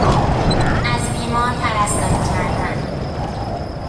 از بیمار پرستاری کردن